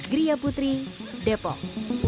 gria putri depok